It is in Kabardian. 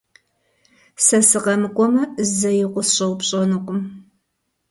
Сэ сыкъэмыкӀуэмэ, зэи укъысщӀэупщӀэнукъым.